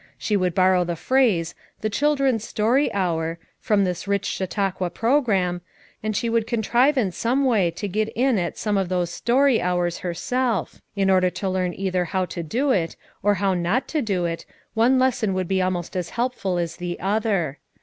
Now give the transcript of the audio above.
She would borrow the phrase 44 The Children's Story Hour," from this rich Chautauqua program, also she would contrive in some war to get in at some of those story hours herself, in order to learn either how to do it, or how not to do it, one lesson would be almost as helpful as the other.